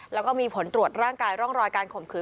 แล้วก็มีผลตรวจร่างกายร่องรอยการข่มขืน